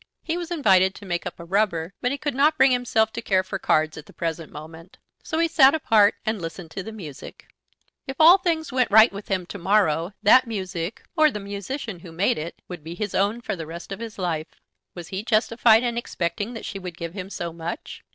He was invited to make up a rubber, but he could not bring himself to care for cards at the present moment. So he sat apart and listened to the music. If all things went right with him to morrow that music, or the musician who made it, would be his own for the rest of his life. Was he justified in expecting that she would give him so much?